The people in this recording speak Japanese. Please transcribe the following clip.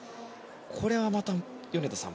これはまた米田さん